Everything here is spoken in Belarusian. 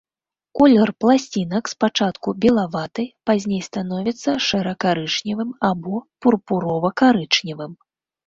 Колер пласцінак спачатку белаваты, пазней становіцца шэра-карычневым або пурпурова-карычневым.